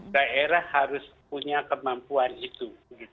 daerah harus punya kemampuan itu